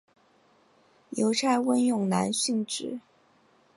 邮差温勇男殉职。